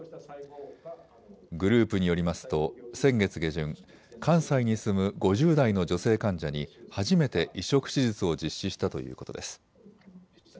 グループによりますと先月下旬、関西に住む５０代の女性患者に初めて移植手術を実施したということです。